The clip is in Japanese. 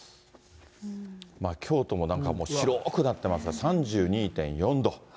京都もなんか、白くなってますね、３２．４度。